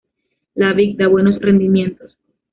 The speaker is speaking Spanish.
La vid da buenos rendimientos.